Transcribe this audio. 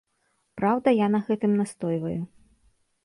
Праўда, я на гэтым настойваю.